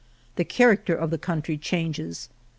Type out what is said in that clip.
The character of the country changes.